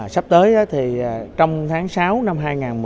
sắp tới thì trong tháng sáu năm hai nghìn một mươi chín